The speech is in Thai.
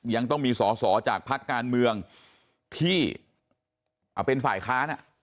ยังต้องมีสอสอจากพักการเมืองที่เป็นฝ่ายค้าน